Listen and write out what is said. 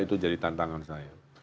itu jadi tantangan saya